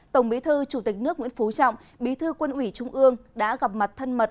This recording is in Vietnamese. tổng bí thư chủ tịch nước nguyễn phú trọng bí thư quân ủy trung ương đã gặp mặt thân mật